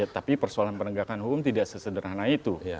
tapi persoalan penegakan hukum tidak sesederhana itu